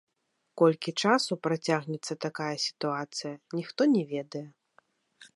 Колькі часу працягнецца такая сітуацыя, ніхто не ведае.